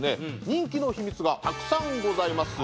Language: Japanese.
人気の秘密がたくさんございます